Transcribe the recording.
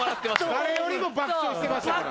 誰よりも爆笑してましたから。